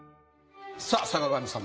さあ坂上様